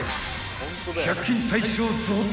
［１００均大賞贈呈］